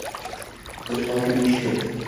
O’z holiga ming shukr etdi